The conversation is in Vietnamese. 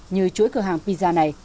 như chuỗi cửa hàng pizza này